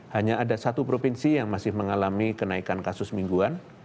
hanya ada satu provinsi yang masih mengalami kenaikan kasus mingguan